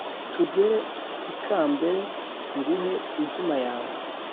tugere ikambere nguhe inkima yawe,